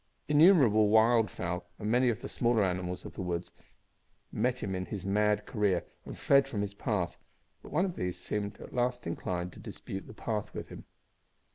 Innumerable wild fowl, and many of the smaller animals of the woods, met him in his mad career, and fled from his path, but one of these seemed at last inclined to dispute the path with him.